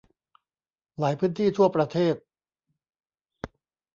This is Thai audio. หลายพื้นที่ทั่วประเทศ